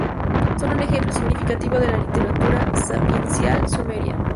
Son un ejemplo significativo de la literatura sapiencial sumeria.